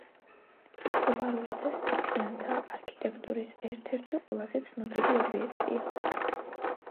პოპულარული და სეფიანთა არქიტექტურის ერთ-ერთი ყველაზე ცნობილი ობიექტია.